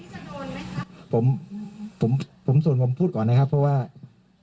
ลองไปฟังจากปากรองผู้ประชาการตำรวจภูทรภาคหนึ่งท่านตอบอย่างไรครับ